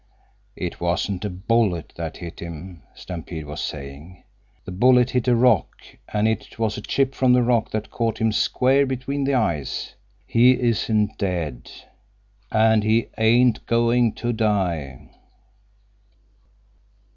"It wasn't a bullet that hit him," Stampede was saying. "The bullet hit a rock, an' it was a chip from the rock that caught him square between the eyes. He isn't dead, _and he ain't going to die!